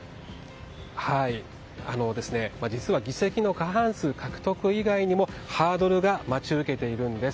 実は議席の過半数獲得以外にもハードルが待ち受けているんです。